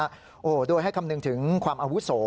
โอ้โหโดยให้คำนึงถึงความอาวุโส